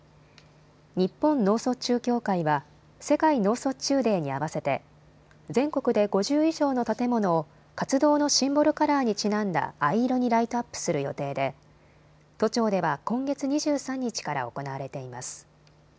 日本脳卒中協会は世界脳卒中デーに合わせて全国で５０以上の建物を活動のシンボルカラーにちなんだ藍色にライトアップする予定で都庁では今月２３日から行われています。